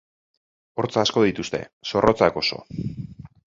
Hortz asko dituzte, zorrotzak oso.